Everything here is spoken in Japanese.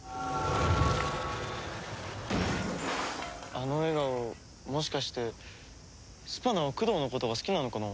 あの笑顔もしかしてスパナは九堂のことが好きなのかな？